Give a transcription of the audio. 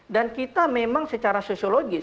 dan kita memang secara sosiologis